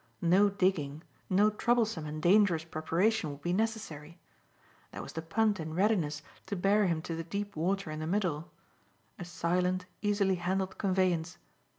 No digging, no troublesome and dangerous preparation would be necessary. There was the punt in readiness to bear him to the deep water in the middle; a silent, easily handled conveyance.